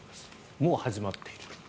もう始まっている。